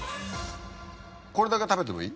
これだけ食べてもいい？